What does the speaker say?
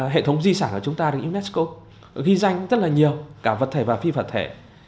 hệ thống di sản của chúng ta được unesco ghi danh rất là nhiều cả vật thể và phi vật thể